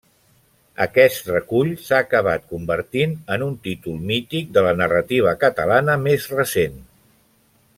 Aquest recull s'ha acabat convertint en un títol mític de la narrativa catalana més recent.